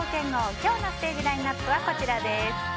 今日のステージラインアップはこちらです。